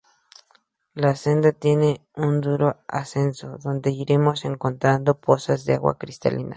La senda tiene un duro ascenso donde iremos encontrando pozas de agua cristalina.